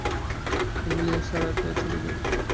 Amelia আসার আগে চলে যাবো?